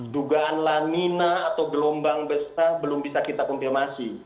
dugaan lanina atau gelombang besar belum bisa kita konfirmasi